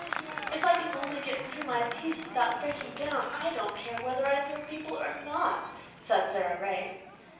"If I can only get through my piece without breaking down I don't care whether I thrill people or not," said Sara Ray.